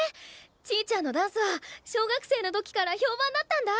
ちぃちゃんのダンスは小学生の時から評判だったんだ。